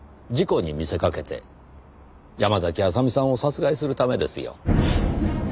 事故に見せかけて山嵜麻美さんを殺害するためですよ。